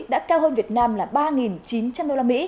đã cao hơn việt nam là ba chín trăm linh usd